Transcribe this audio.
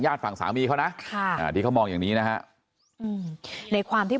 ญาติฝั่งสามีเขานะที่เขามองอย่างนี้นะฮะในความที่